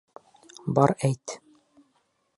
Бар әйт.